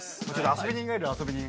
遊び人がいる遊び人。